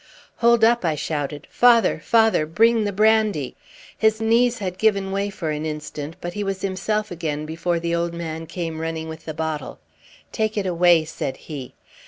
"Hold up!" I shouted. "Father! Father! Bring the brandy!" His knees had given way for an instant, but he was himself again before the old man came running with the bottle. "Take it away!" said he.